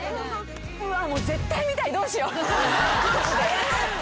うわっもう絶対見たいどうしよう。